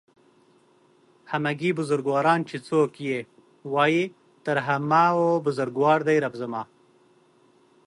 همگي بزرگواران چې څوک يې وايي تر همه و بزرگوار دئ رب زما